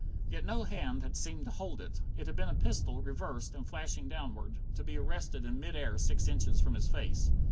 Yet no hand had seemed to hold it. It had been a pistol, reversed, and flashing downward, to be arrested in mid air six inches from his face.